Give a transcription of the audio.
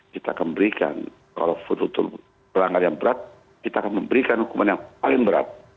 kita akan berikan kalau betul betul melanggar yang berat kita akan memberikan hukuman yang paling berat